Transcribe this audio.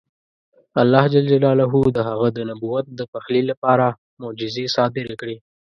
الله جل جلاله د هغه د نبوت د پخلي لپاره معجزې صادرې کړې.